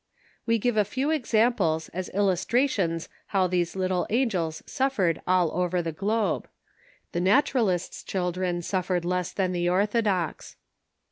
We give a few examples as illustrations how these little angels suffered all over the globe. The Naturalists' chil dren suffered less than the orthodox.